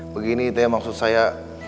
begini teh maksud saya